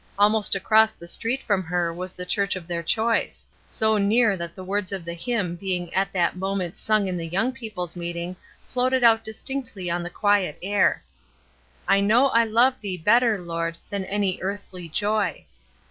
Almost across the street from her was the church of their choice. So near that the words of the hymn being at that moment sung in the young people's meet ing floated out distinctly on the quiet air :—" I know I love Thee better, Lord, Than any earthly joy."